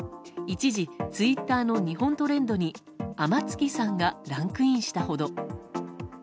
一時、ツイッターの日本トレンドに天月さんがランクインしたほど。